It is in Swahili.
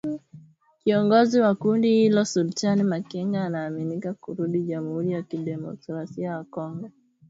Kiongozi wa kundi hilo Sultani Makenga anaaminika kurudi Jamhuri ya kidemokrasia ya Kongo.